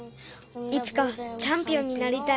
いつかチャンピオンになりたい。